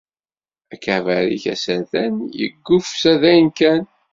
Akabar-ik asertan yeggufsa dayen kan.